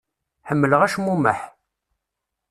Ḥemmleɣ acmumeḥ.